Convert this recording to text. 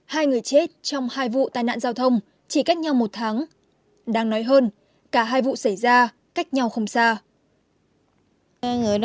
hai người chết trong hai vụ